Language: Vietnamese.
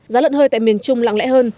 giá lợn hơi tại miền trung lặng lẽ hơn